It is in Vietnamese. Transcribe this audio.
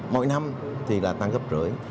mỗi năm thì là tăng gấp rưỡi